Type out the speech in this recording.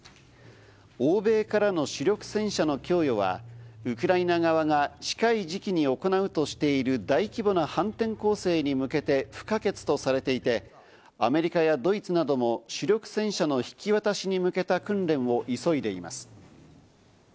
欧米からの主力戦車の供与は、ウクライナ側が近い時期に行うとしている大規模な反転攻勢に向けて不可欠とされていて、アメリカやドイツなども主力戦車の引き渡しに向けた訓練を急いでいます。